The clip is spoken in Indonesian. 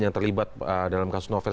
yang terlibat dalam kasus novel